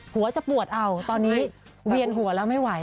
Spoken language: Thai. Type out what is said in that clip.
หัวจะปวดเอาตอนนี้เวียนหัวแล้วไม่ไหว